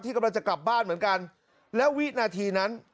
กำลังจะกลับบ้านเหมือนกันแล้ววินาทีนั้น